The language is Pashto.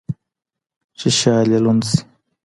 چي شال يې لوند سي